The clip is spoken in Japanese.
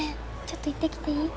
ちょっと行ってきていい？